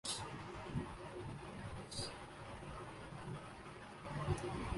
جس میں وہ دونوں خوشگوار موسم